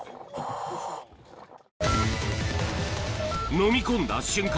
のみ込んだ瞬間